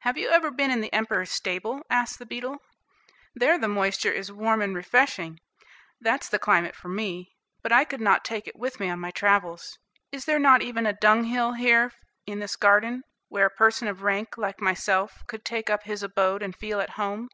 "Have you ever been in the Emperor's stable?" asked the beetle. "There the moisture is warm and refreshing; that's the climate for me, but I could not take it with me on my travels. Is there not even a dunghill here in this garden, where a person of rank, like myself, could take up his abode and feel at home?"